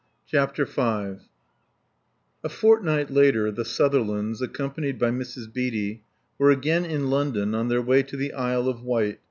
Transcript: CHAPTER V A fortnight later the Sutherlands, accompanied by Mrs. Beatty, were again in London, on their way to the Isle of Wight.